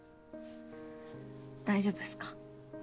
大丈夫っすか？